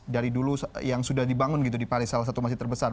dari dulu yang sudah dibangun gitu di paris salah satu masjid terbesar